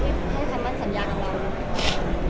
ให้ใครมั่นสัญญาของเรารู้